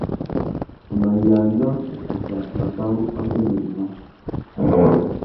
Tu mà yāna ukussa mabarú angüêndô ngüimá.